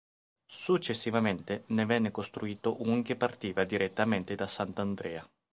Successivamente ne venne costruito un che partiva direttamente da Sant'Andrea.